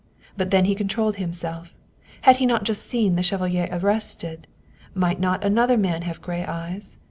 But then he controlled him self had he not just seen the chevalier arrested? Might not another man have gray eyes?